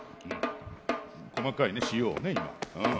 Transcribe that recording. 細かいね塩をね今うん。